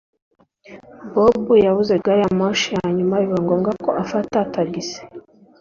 Bob yabuze gari ya moshi ya nyuma biba ngombwa ko afata tagisi.